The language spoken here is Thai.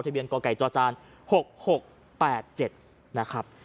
เบียนกไก่จจ๖๖๘๗นะครับ